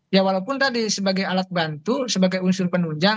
ya walaupun tadi sebagai alat bantu sebagai unsur penunjang